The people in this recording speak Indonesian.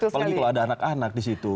apalagi kalau ada anak anak di situ